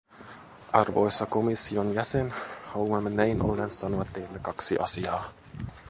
Arvoisa komission jäsen, haluamme näin ollen sanoa teille kaksi asiaa.